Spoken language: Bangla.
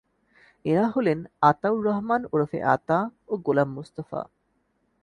এঁরা হলেন আতাউর রহমান ওরফে আতা ও গোলাম মোস্তফা।